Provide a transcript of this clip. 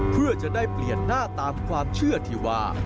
เพื่อจะได้เปลี่ยนหน้าตามความเชื่อที่ว่า